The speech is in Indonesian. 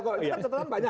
kita cetekan banyak